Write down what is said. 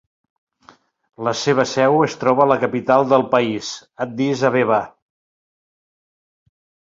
La seva seu es troba a la capital del país, Addis Abeba.